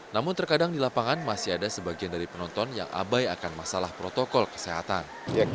namun terkadang di lapangan masih ada sebagian dari penonton yang abai akan masalah protokol kesehatan